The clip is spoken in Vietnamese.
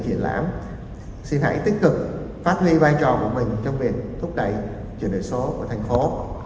triển lãm xin hãy tích cực phát huy vai trò của mình trong việc thúc đẩy chuyển đổi số của thành phố